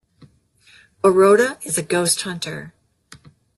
"Baroda" is a ghost-hunter.